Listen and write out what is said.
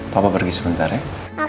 papa pergi sebentar ya